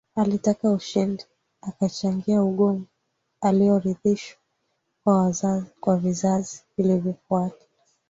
alitaka ushindi akachangia ugomvi uliorithishwa kwa vizazi vilivyofuata